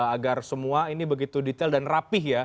agar semua ini begitu detail dan rapih ya